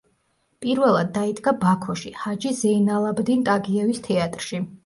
პირველად დაიდგა ბაქოში, ჰაჯი ზეინალაბდინ ტაგიევის თეატრში.